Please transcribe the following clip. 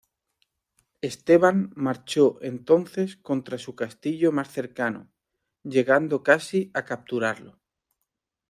Esteban marchó entonces contra su castillo más cercano llegando casi a capturarlo.